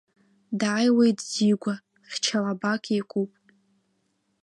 Дааиуеит Дигәа, хьча лабак икуп.